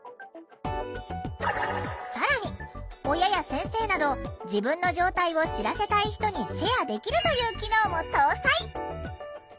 更に親や先生など自分の状態を知らせたい人にシェアできるという機能も搭載。